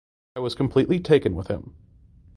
I was completely taken with him.